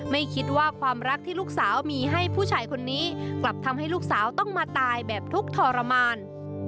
ไม่คิดว่าความรักที่ลูกสาวมีให้ผู้ชายคนนี้กลับทำให้ลูกสาวต้องมาตายแบบทุกข์ทรมาน